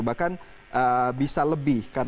bahkan bisa lebih